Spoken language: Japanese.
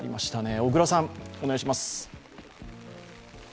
小倉さん、お願いします。